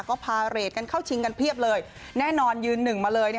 ก็พาเรทกันเข้าชิงกันเพียบเลยแน่นอนยืนหนึ่งมาเลย